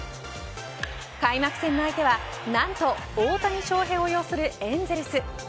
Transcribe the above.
開幕戦の相手はなんと大谷翔平を擁するエンゼルス。